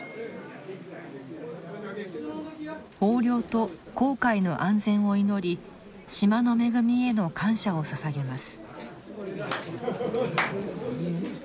豊漁と航海の安全を祈り島の恵みへの感謝をささげます。